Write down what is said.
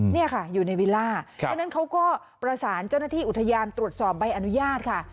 นี่ค่ะอยู่ในวิลล่าฉะนั้นเขาก็ประสานเจ้าหน้าที่อุทยานตรวจสอบใบอนุญาตค่ะ